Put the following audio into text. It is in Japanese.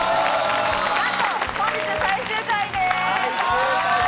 なんと本日最終回です。